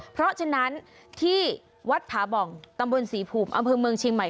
เพราะฉะนั้นที่วัดผาบ่องตำบลศรีภูมิอำเภอเมืองเชียงใหม่